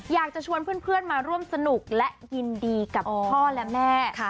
อยากจะชวนเพื่อนมาร่วมสนุกและยินดีกับพ่อและแม่